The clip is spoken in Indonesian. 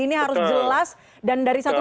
ini harus jelas dan dari satu